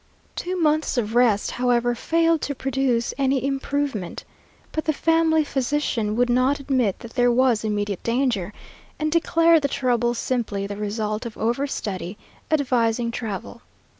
Two months of rest, however, failed to produce any improvement, but the family physician would not admit that there was immediate danger, and declared the trouble simply the result of overstudy, advising travel.